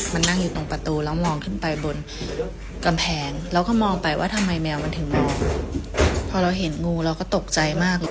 มันถึงนอกพอเราเห็นงูเราก็ตกใจมาก